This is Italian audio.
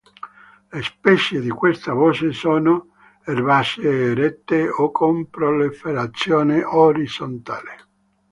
Le specie di questa voce sono erbacee erette o con proliferazione orizzontale.